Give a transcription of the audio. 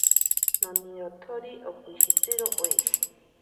Nonirotsori okishitiro oishi.